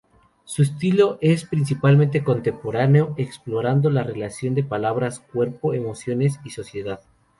Su estilo es principalmente contemporáneo explorando la relación de palabras, cuerpo, emociones y sociedad.